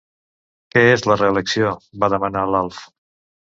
Què és la reelecció? —va demanar l'Alf.